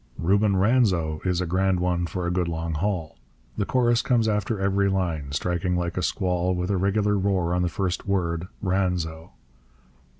Reuben Ranzo is a grand one for a good long haul. The chorus comes after every line, striking like a squall, with a regular roar on the first word, Ranzo.